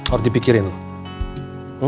or dipikirin lu